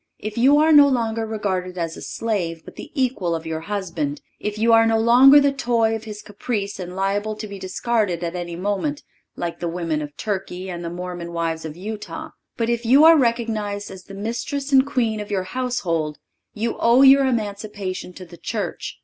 If you are no longer regarded as the slave, but the equal of your husband; if you are no longer the toy of his caprice and liable to be discarded at any moment, like the women of Turkey and the Mormon wives of Utah; but if you are recognized as the mistress and queen of your household, you owe your emancipation to the Church.